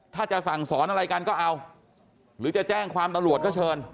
ถ้าจะสั่งสอนอะไรกันก็เอาหรือจะแจ้งความตำรวจก็เชิญ